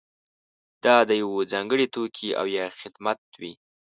دا د یوه ځانګړي توکي او یا خدمت وي.